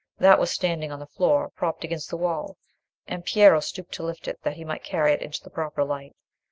That was standing on the floor, propped against the wall, and Piero stooped to lift it, that he might carry it into the proper light.